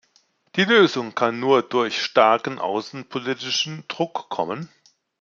Die Lösung kann nur durch starken außenpolitischen Druck kommen.